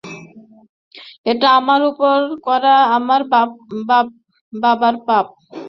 “এটা আমার উপর করা আমার বাবার পাপ